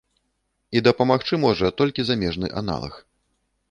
І дапамагчы можа толькі замежны аналаг.